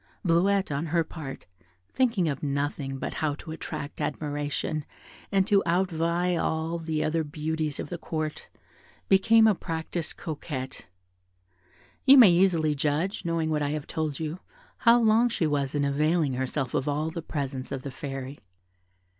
Bleuette, on her part, thinking of nothing but how to attract admiration and to outvie all the other beauties of the Court, became a practised coquette. You may easily judge, knowing what I have told you, how long she was in availing herself of all the presents of the Fairy.